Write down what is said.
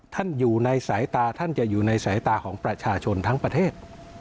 ท่านอยู่ในสายตาท่านจะอยู่ในสายตาของประชาชนทั้งประเทศ